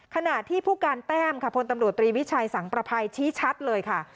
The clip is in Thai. ขณะที่ผู้การแต้มค่ะพลตำรวจตรีวิชัยสังประภัยชี้ชัดเลยค่ะ